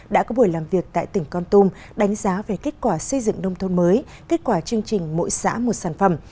đã có buổi làm việc tại tỉnh con tum đánh giá về kết quả xây dựng nông thôn mới kết quả chương trình mỗi xã một sản phẩm